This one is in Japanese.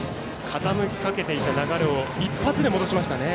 傾きかけていた流れを一発で戻しましたね。